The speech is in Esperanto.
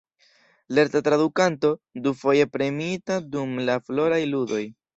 Lerta tradukanto, dufoje premiita dum Floraj Ludoj.